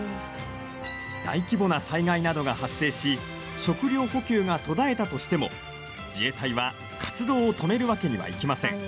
大規模な災害などが発生し食料補給が途絶えたとしても自衛隊は、活動を止めるわけにはいきません。